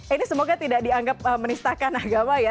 ini semoga tidak dianggap menistakan agama ya